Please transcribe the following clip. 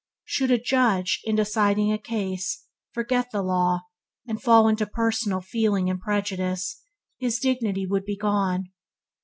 Should a Judge, in deciding a case, forget the law, and fall into personal feeling and prejudice, his dignity would be gone.